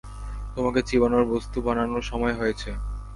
তোমাকে চিবানোর বস্তু বানানোর সময় হয়েছে।